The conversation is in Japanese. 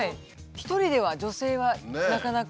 一人では女性はなかなか。